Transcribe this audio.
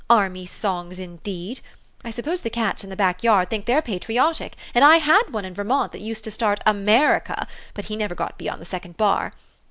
Army songs, indeed ! I suppose the cats in the back yard think they're patriotic, and I had one in Vermont that used to start c America ;' but he never got beyond the second bar.